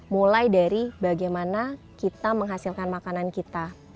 mulai dari bagaimana kita menghasilkan makanan kita